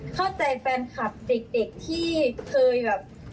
เข้าใจแฟนคลับเด็กที่เคยแบบ